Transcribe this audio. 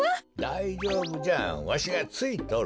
だいじょうぶじゃわしがついとる。